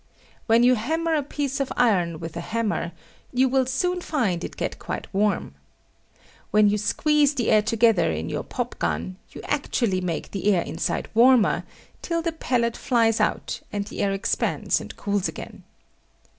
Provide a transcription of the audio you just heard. When you hammer a piece of iron with a hammer, you will soon find it get quite warm. When you squeeze the air together in your pop gun, you actually make the air inside warmer, till the pellet flies out, and the air expands and cools again.